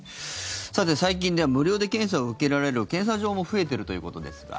最近では無料で検査を受けられる検査場も増えているということですが。